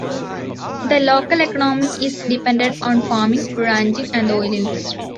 The local economy is dependent on farming, ranching, and the oil industry.